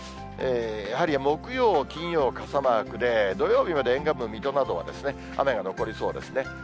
やはり木曜、金曜傘マークで、土曜日まで沿岸部、水戸などは雨が残りそうですね。